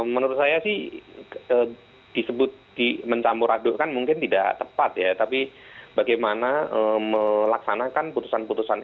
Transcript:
menurut saya sih disebut mencampur aduk kan mungkin tidak tepat ya tapi bagaimana melaksanakan putusan putusan